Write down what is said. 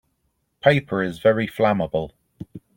Paper is very flammable.